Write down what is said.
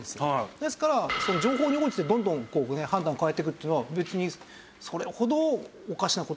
ですから情報に応じてどんどんこうね判断を変えていくっていうのは別にそれほどおかしな事ではないと。